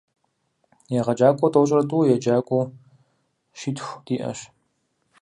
ЕгъэджакӀуэу тӀощӀрэ тӀу, еджакӏуэу щитху диӀэщ.